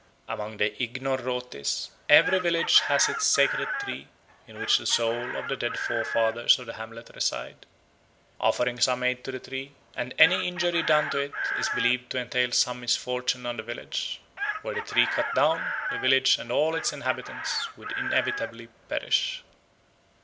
Among the Ignorrotes, every village has its sacred tree, in which the souls of the dead forefathers of the hamlet reside. Offerings are made to the tree, and any injury done to it is believed to entail some misfortune on the village. Were the tree cut down, the village and all its inhabitants would inevitably perish.